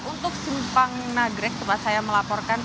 untuk simpang nagrek tempat saya melaporkan